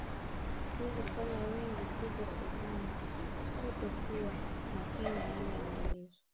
Hii hufanya wengi kufa kutokana na kuto kuwa makini na yale yanayoelezwa